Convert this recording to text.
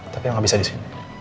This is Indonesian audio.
tapi nggak bisa di sini